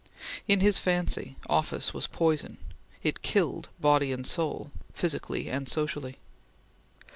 In his fancy, office was poison; it killed body and soul physically and socially.